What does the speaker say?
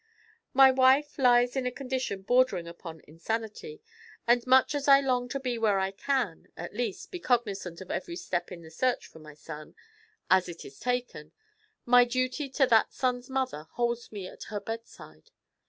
'My wife lies in a condition bordering upon insanity, and much as I long to be where I can, at least, be cognizant of every step in the search for my son, as it is taken, my duty to that son's mother holds me at her bedside.